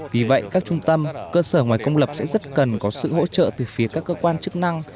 vì vậy các trung tâm cơ sở ngoài công lập sẽ rất cần có sự hỗ trợ từ phía các cơ quan chức năng